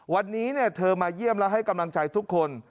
วันนี้เธอมาเยี่ยมและให้กำลังใจทุกคน